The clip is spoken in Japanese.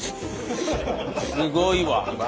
すごいわ。